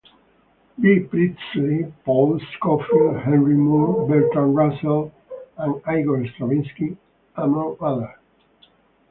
B. Priestley, Paul Scofield, Henry Moore, Bertrand Russell and Igor Stravinsky, among others.